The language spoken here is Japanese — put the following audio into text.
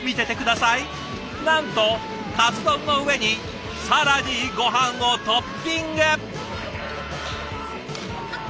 なんとカツ丼の上に更にごはんをトッピング。